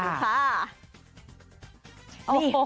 นี่เปิดมาคนนี้เลยค่ะพี่อ๊อฟปองศักดิ์เฮ้ยนี่สดร้อน